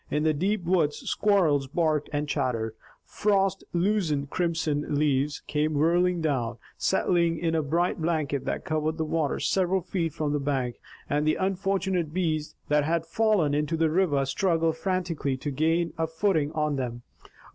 In the deep woods squirrels barked and chattered. Frost loosened crimson leaves came whirling down, settling in a bright blanket that covered the water several feet from the bank, and unfortunate bees that had fallen into the river struggled frantically to gain a footing on them.